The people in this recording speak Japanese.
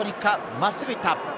真っすぐ行った。